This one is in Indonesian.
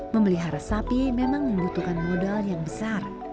memelihara sapi memang membutuhkan modal yang besar